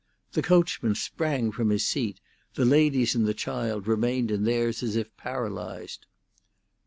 The coachman sprang from his seat, the ladies and the child remained in theirs as if paralysed.